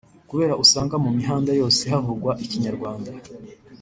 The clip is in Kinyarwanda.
kubera usanga mu mihanda yose havugwa Ikinyarwanda